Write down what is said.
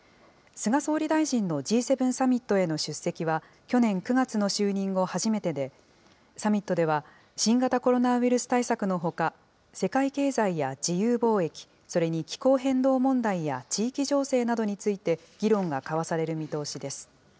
菅総理大臣のＧ７サミットへの出席は、去年９月の就任後初めてで、サミットでは、新型コロナウイルス対策のほか、世界経済や自由貿易、それに気候変動問題や地域情勢などについて議論が交わされる見通しです。